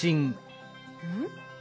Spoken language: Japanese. うん？